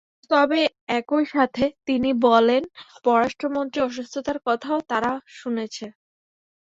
তবে একই সাথে তিনি বলেন, পররাষ্ট্রমন্ত্রীর অসুস্থতার কথাও তারা শুনেছেন।